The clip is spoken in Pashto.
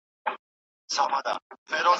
لا هم له پاڼو زرغونه پاته ده